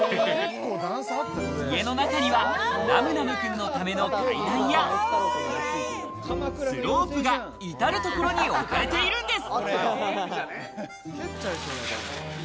家の中にはナムナム君のための階段やスロープが至る所に置かれているんです。